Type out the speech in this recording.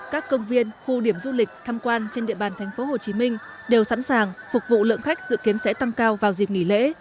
các công viên khu điểm du lịch tham quan trên địa bàn thành phố hồ chí minh đều sẵn sàng phục vụ lượng khách dự kiến sẽ tăng cao vào dịp nghỉ lễ